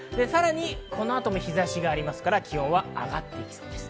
この後も日差しがありますから気温は上がっていきそうです。